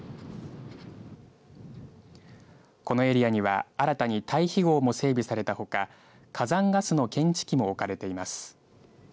このエリアには新たに退避ごうも整備されたほか火山ガスの検知器も置かれています。